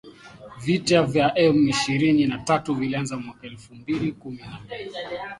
Vita vya M Ishirini na tatu vilianza mwaka elfu mbili kumi na mbili